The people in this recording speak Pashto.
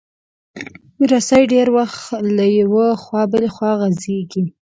رسۍ ډېر وخت له یوې خوا بله خوا غځېږي.